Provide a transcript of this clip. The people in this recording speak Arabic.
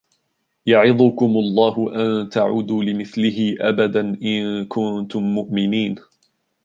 يَعِظُكُمُ اللَّهُ أَنْ تَعُودُوا لِمِثْلِهِ أَبَدًا إِنْ كُنْتُمْ مُؤْمِنِينَ